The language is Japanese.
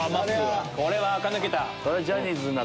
これはあか抜けた。